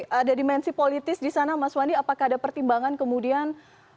nah kalau politis di sana mas wani apakah ada pertimbangan kemudian